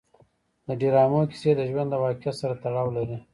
د ډرامو کیسې د ژوند له واقعیت سره تړاو لري.